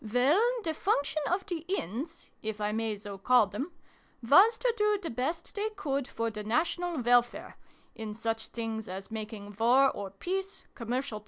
"Well, the function of the 'Ins' (if I may so call them) was to do the best they could for the national welfare in such things as making war or peace, commercial treaties, and so forth